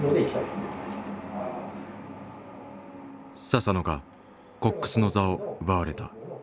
佐々野がコックスの座を奪われた。